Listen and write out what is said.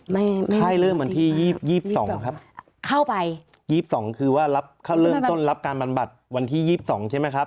ไม่ค่ายเริ่มวันที่๒๒ครับเข้าไป๒๒คือว่าเริ่มต้นรับการบำบัดวันที่๒๒ใช่ไหมครับ